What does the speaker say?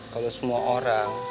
kalau semua orang